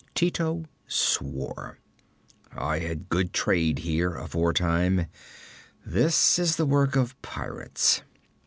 Tito swore. 'I had good trade here, aforetime. This is the work of pirates.'